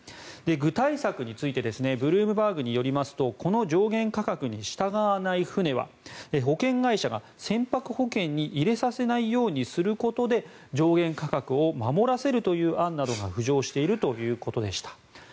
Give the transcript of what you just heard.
具体策についてブルームバーグによりますとこの上限価格に従わない船は保険会社が、船舶保険に入れさせないようにすることで上限価格を守らせるという案などが浮上しているということでした。